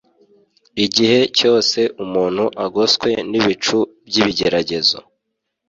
Igihe cyose umuntu agoswe n’ibicu by’ibigeragezo